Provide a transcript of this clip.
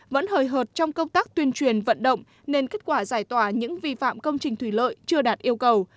vẫn hời hợt trong công tác tuyên truyền vận động nên kết quả giải tỏa những vi phạm công trình thủy lợi chưa đạt yêu cầu